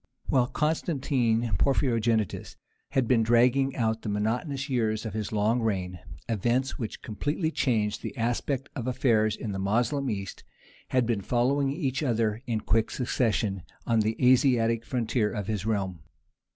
While Constantine Porphyrogenitus had been dragging out the monotonous years of his long reign, events which completely changed the aspect of affairs in the Moslem East had been following each other in quick succession on the Asiatic frontier of his realm.